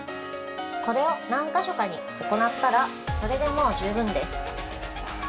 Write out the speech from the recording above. これを何か所かに行ったらそれでもう十分です。